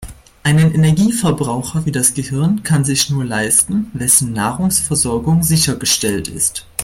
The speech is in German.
Einen Energieverbraucher wie das Gehirn kann sich nur leisten, wessen Nahrungsversorgung sichergestellt ist.